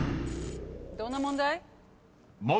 どんな問題？